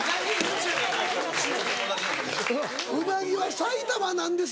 ・「ウナギは埼玉なんです」